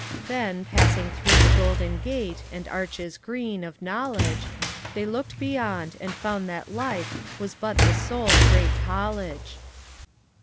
'Then, passing through the 'golden gate' And 'arches' green, of Knowledge, They looked beyond, and found that life Was but the sours great college.'